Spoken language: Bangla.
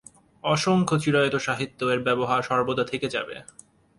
অসংখ্য চিরায়ত সাহিত্যে এর ব্যবহার সর্বদা থেকে যাবে।